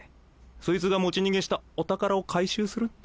そいつが持ち逃げしたお宝を回収するんだ。